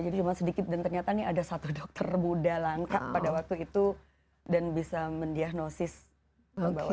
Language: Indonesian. jadi cuma sedikit dan ternyata nih ada satu dokter muda langka pada waktu itu dan bisa mendiagnosis bawa lupus